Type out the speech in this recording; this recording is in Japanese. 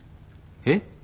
えっ？